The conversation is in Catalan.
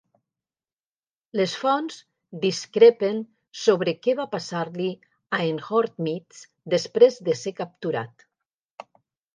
Les fonts discrepen sobre què va passar-li a en Hormizd després de ser capturat.